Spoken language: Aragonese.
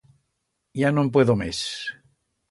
Ya no'n puedo mes.